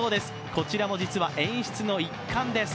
こちらも実は演出の一環です。